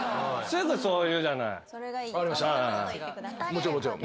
もちろんもちろん。